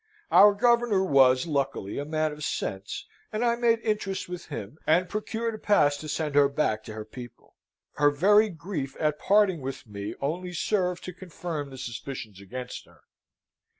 Our Governor was, luckily, a man of sense, and I made interest with him, and procured a pass to send her back to her people. Her very grief at parting with me only served to confirm the suspicions against her.